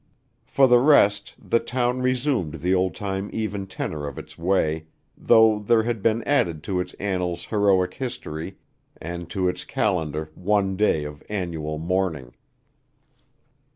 For the rest the town resumed the old time even tenor of its way, though there had been added to its annals heroic history, and to its calendar one day of annual mourning.